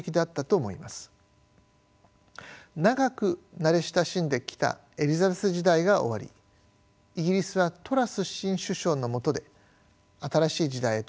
長く慣れ親しんできたエリザベス時代が終わりイギリスはトラス新首相のもとで新しい時代へと突入することになります。